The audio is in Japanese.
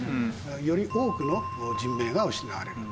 より多くの人命が失われる。